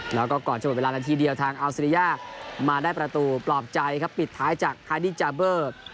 แล้วก็ก่อนจะหมดเวลานาทีเดียวทางอัลซีริยามาได้ประตูปลอบใจครับปิดท้ายจากคาดี้จาเบอร์